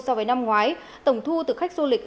so với năm ngoái tổng thu từ khách du lịch